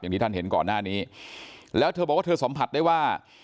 ที่ท่านเห็นก่อนหน้านี้แล้วเธอบอกว่าเธอสัมผัสได้ว่า